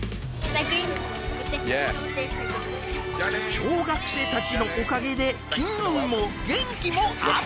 小学生たちのおかげで金運も元気もアップ！